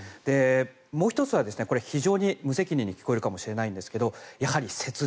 もう１つは非常に無責任に聞こえるかもしれませんがやはり節電。